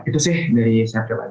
itu sih dari saya kepada pak firdli